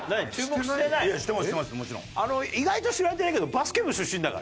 意外と知られてないけどバスケ部出身だからね。